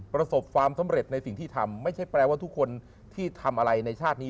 ประสบความสำเร็จในสิ่งที่ทำไม่ใช่แปลว่าทุกคนที่ทำอะไรในชาตินี้